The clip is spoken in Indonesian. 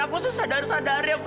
aku sesadar sadar ya mbak